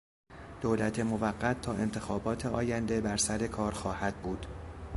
دولت موقت تا انتخابات آینده بر سرکار خواهد بود.